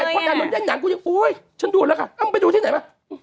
เพราะการลงแย่นหนังกูยังโอ๊ยฉันดูแล้วกันอ้าวมึงไปดูที่ไหนมั้ย